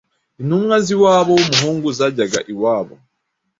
Intumwa z’iwabo w’umuhungu zajyaga iwabo